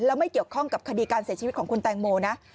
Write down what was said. แล้วไม่เกี่ยวข้องกับคดีการเสียชีวิตของคุณแตงโมนะ